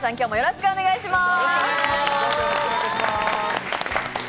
よろしくお願いします。